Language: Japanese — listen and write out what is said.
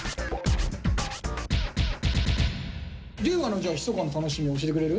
龍我のじゃあひそかな楽しみ教えてくれる？